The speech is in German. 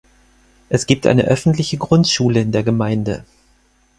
Es gibt eine öffentliche Grundschule in der Gemeinde.